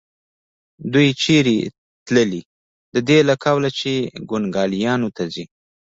دوی چېرې تلې؟ د دې له قوله چې کونګلیانو ته ځي.